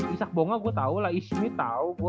ishak boga gue tau lah ismi tau